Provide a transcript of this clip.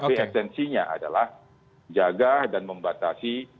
tapi esensinya adalah jaga dan membatasi